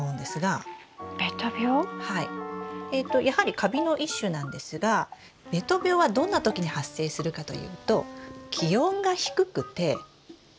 やはりカビの一種なんですがべと病はどんな時に発生するかというと気温が低くて雨が多い時。